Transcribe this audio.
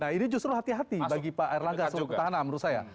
nah ini justru hati hati bagi pak erlangga seluruh petahana menurut saya